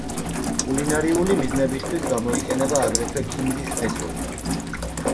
კულინარიული მიზნებისთვის გამოიყენება აგრეთვე ქინძის ფესვები.